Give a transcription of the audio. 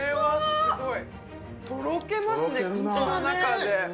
とろけますね、口の中で。